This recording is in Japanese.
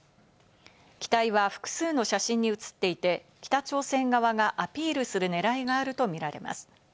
機体は複数の写真に写っていて、北朝鮮側がアピールする狙いがあると見られます。